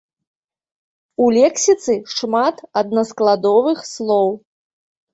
У лексіцы шмат аднаскладовых слоў.